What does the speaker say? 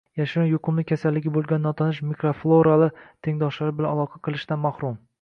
“yashirin yuqumli kasalligi” bo‘lgan “notanish mikroflorali” tengdoshlari bilan aloqa qilishdan mahrum